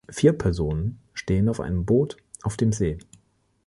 Vier Personen stehen auf einem Boot auf dem See.